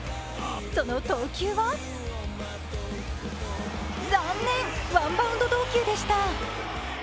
その投球は残念、ワンバウンド投球でした。